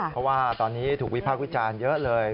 เพราะตอนนี้ถูกวิภาควิจารณ์เยอะเลย